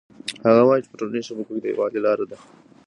هغه وایي چې ټولنيزې شبکې د یووالي لاره ده.